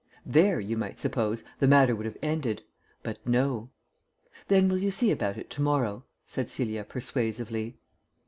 There, you might suppose, the matter would have ended; but no. "Then you will see about it to morrow?" said Celia persuasively.